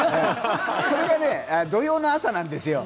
それがね、土曜の朝なんですよ。